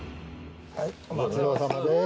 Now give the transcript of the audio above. はいおまちどおさまです